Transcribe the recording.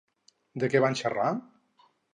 De què van xerrar?